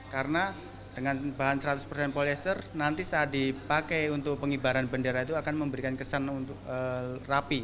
karena dengan bahan seratus polyester nanti saat dipakai untuk pengibaran bendera itu akan memberikan kesan rapi